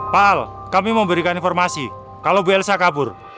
pak al kami memberikan informasi kalau bu elsa kabur